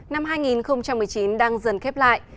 năm hai nghìn một mươi chín đang dần khép lại